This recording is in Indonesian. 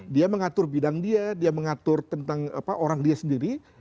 dia mengatur bidang dia dia mengatur tentang orang dia sendiri